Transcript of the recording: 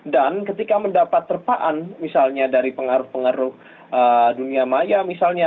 dan ketika mendapat terpaan misalnya dari pengaruh pengaruh dunia maya misalnya